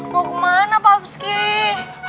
mau kemana papsky